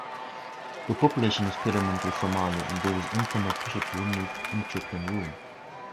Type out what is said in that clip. The population is predominantly Somali, and there is internal pressure to remove Ethiopian rule.